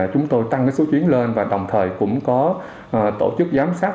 chúng tôi tăng số chuyến lên và đồng thời cũng có tổ chức giám sát